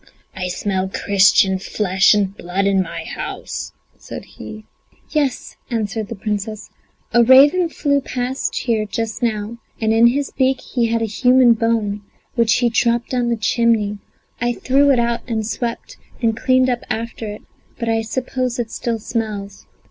I smell Christian flesh and blood in my house," said he. "Yes," answered the Princess, "a raven flew past here just now, and in his beak he had a human bone, which he dropped down the chimney; I threw it out and swept and cleaned up after it, but I suppose it still smells."